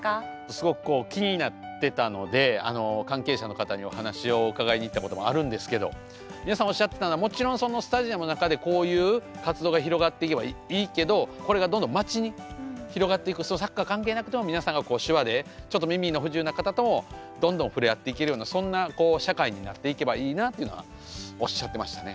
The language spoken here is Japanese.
すごくこう気になってたので関係者の方にお話を伺いに行ったこともあるんですけど皆さんおっしゃってたのはもちろんそのスタジアムの中でこういう活動が広がっていけばいいけどこれがどんどん街に広がっていくとサッカー関係なくても皆さんがこう手話でちょっと耳の不自由な方ともどんどん触れ合っていけるようなそんな社会になっていけばいいなっていうのはおっしゃってましたね。